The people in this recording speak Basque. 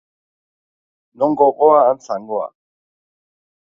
Non gogoa, han zangoa.